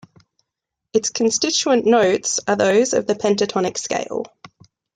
Its constituent notes are those of the pentatonic scale.